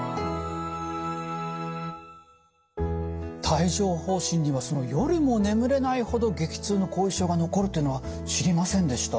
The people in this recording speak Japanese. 帯状ほう疹には夜も眠れないほど激痛の後遺症が残るっていうのは知りませんでした。